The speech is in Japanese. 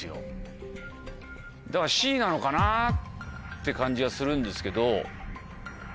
なのかなって感じはするんですけど。